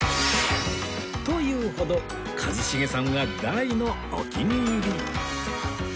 と言うほど一茂さんは大のお気に入り